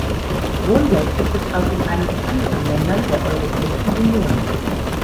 Wohngeld gibt es auch in einigen anderen Ländern der Europäischen Union.